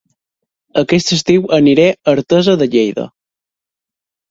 Aquest estiu aniré a Artesa de Lleida